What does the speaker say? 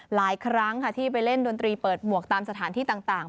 หลายครั้งค่ะที่ไปเล่นดนตรีเปิดหมวกตามสถานที่ต่าง